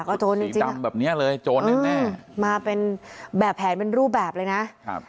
ก็โจรจริงแบบนี้เลยโจรแน่มาเป็นแบบแผนเป็นรูปแบบเลยนะ